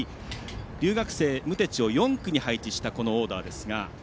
留学生、ムテチを４区に配置したオーダー。